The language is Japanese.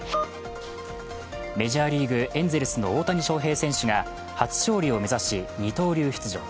メジャーリーグ、エンゼルスの大谷翔平選手が初勝利を目指し、二刀流出場。